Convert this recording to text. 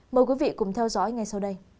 mời quý vị cùng theo dõi ngay sau đây